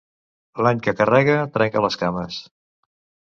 L'any que carrega, trenca les cames.